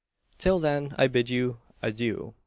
Till then, I bid you adieu."